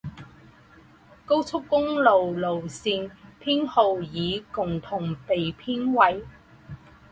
高速公路路线编号与共同被编为。